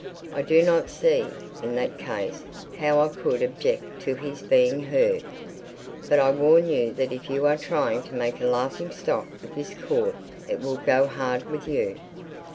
I do not see, in that case, how I could object to his being heard. But I warn you that if you are trying to make a laughing stock of this Court it will go hard with you."